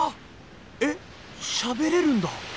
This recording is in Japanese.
しゃべれるんだ。